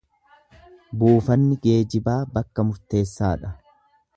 Buufanni geejibaa bakka murteessaa dha.